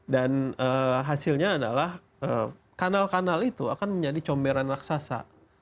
dan hasilnya adalah kanal kanal itu akan menjadi comberan raksasa